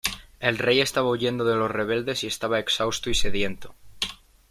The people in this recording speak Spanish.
El rey estaba huyendo de los rebeldes y estaba exhausto y sediento.